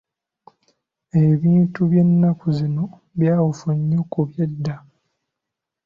Ebintu by’ennaku zino byawufu nnyo ku by'edda.